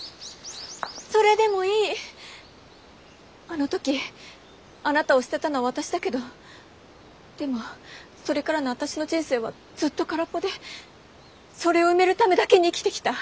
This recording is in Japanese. あの時あなたを捨てたのは私だけどでもそれからの私の人生はずっと空っぽでそれを埋めるためだけに生きてきた。